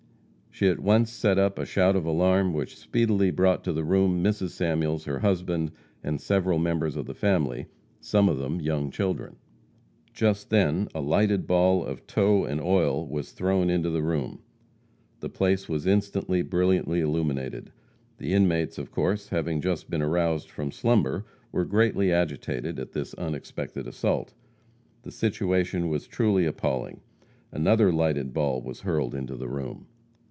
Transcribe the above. She at once set up a shout of alarm which speedily brought to the room Mrs. Samuels, her husband, and several members of the family, some of them young children. [Illustration: Night Attack on the Samuels Residence.] Just then a lighted ball of tow and oil was thrown into the room. The place was instantly brilliantly illuminated. The inmates of course, having just been aroused from slumber, were greatly agitated at this unexpected assault. The situation was truly appalling. Another lighted ball was hurled into the room.